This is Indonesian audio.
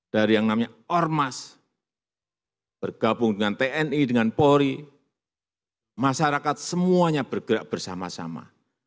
dari yang namanya ormas bergabung dengan tni dengan polri masyarakat semuanya bergerak bersama sama